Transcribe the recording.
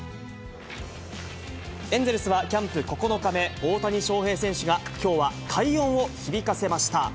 エンゼルスはキャンプ９日目、大谷翔平選手がきょうは快音を響かせました。